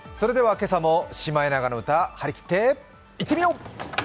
今朝も「シマエナガの歌」はりきっていってみよう！